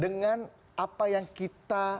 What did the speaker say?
dengan apa yang kita